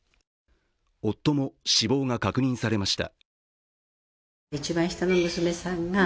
夫も死亡が確認されました。